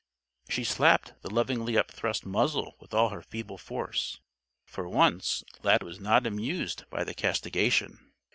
She slapped the lovingly upthrust muzzle with all her feeble force. For once, Lad was not amused by the castigation.